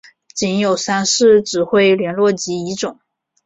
仅有三式指挥连络机一种。